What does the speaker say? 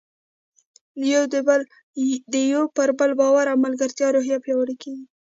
د یو پر بل باور او ملګرتیا روحیه پیاوړې کیږي.